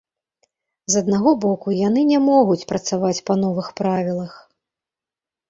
З аднаго боку, яны не могуць працаваць па новых правілах.